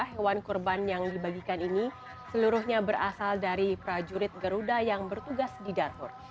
hewan kurban yang dibagikan ini seluruhnya berasal dari prajurit garuda yang bertugas di darfur